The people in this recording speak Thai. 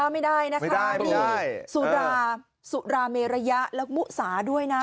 มีสุราเมรยะและหมุสาด้วยนะ